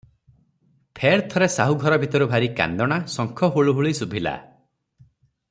ଫେର୍ ଥରେ ସାହୁ ଘର ଭିତରୁ ଭାରି କାନ୍ଦଣା, ଶଙ୍ଖ ହୁଳହୁଳି ଶୁଭିଲା ।